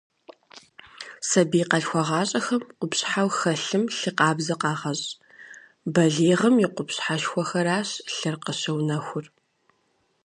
Сабий къалъхуагъащӏэхэм къупщхьэу хэлъым лъы къабзэ къагъэщӏ, балигъым и къупщхьэшхуэхэращ лъыр къыщыунэхур.